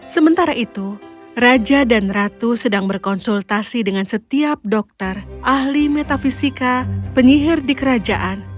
sementara itu raja dan ratu sedang berkonsultasi dengan setiap dokter ahli metafisika penyihir di kerajaan